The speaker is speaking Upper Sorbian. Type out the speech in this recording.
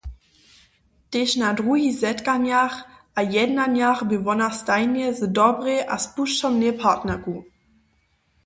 Tež na druhich zetkanjach a jednanjach bě wona stajnje z dobrej a spušćomnej partnerku.